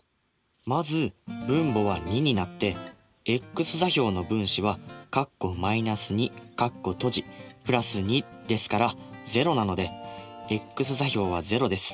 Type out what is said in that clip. まず分母は２になってｘ座標の分子は＋２ですから０なのでｘ座標は０です。